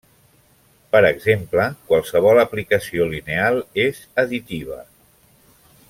Per exemple, qualsevol aplicació lineal és additiva.